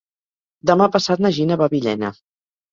Demà passat na Gina va a Villena.